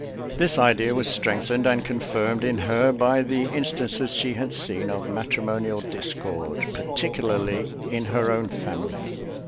This idea was strengthened and confirmed in her by the instances she had seen of matrimonial discord, particularly in her own family.